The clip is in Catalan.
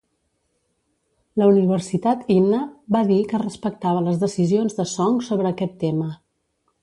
La Universitat Inha va dir que respectava les decisions de Song sobre aquest tema.